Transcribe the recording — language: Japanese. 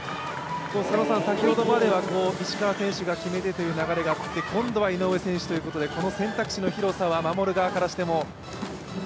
先ほどまでは石川選手が決めてという流れがあって今度は井上選手ということでこの選択肢の多さは守る側からしても？